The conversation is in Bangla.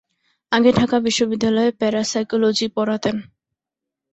আগে ঢাকা বিশ্ববিদ্যালয়ে প্যারাসাইকোলজি পড়াতেন।